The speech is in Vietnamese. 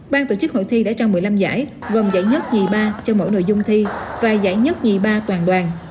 ban tổ chức hội thi đã trao một mươi năm giải gồm giải nhất nhì ba cho mỗi nội dung thi và giải nhất nhì ba toàn đoàn